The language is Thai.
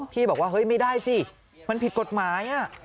พี่บอกว่าเฮ้ยไม่ได้สิมันผิดกฎหมาย